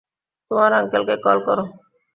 তোমার আঙ্কেলকে কল করো।